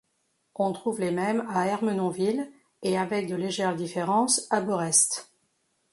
On trouve les mêmes à Ermenonville, et avec de légères différences, à Borest.